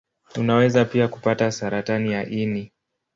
Unaweza pia kupata saratani ya ini.